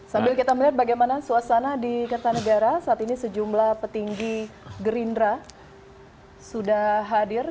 sambil kita melihat bagaimana suasana di kertanegara saat ini sejumlah petinggi gerindra sudah hadir